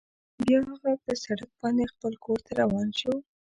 بیا هغه په سړک باندې خپل کور ته روان شو